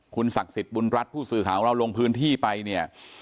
คุณศักดิ์สิทธิ์บุญรัฐผู้สื่อข่าวของเราลงพื้นที่ไปเนี่ย